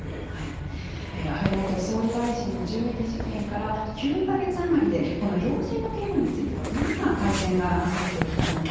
安倍元総理大臣の銃撃事件から９か月余りで要人の警護についてはどんな改善がなされてきたのか。